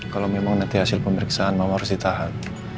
kalau memang nanti hasil pemeriksaan memang harus ditahan